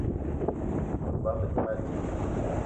Bot bama be te ma ding.